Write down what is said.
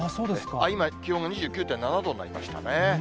今、気温が２９．７度になりましたね。